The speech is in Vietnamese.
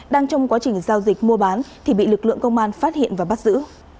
đang trong quá trình giao dịch mua bán thì bị lực lượng công an phát hiện và bắt giữ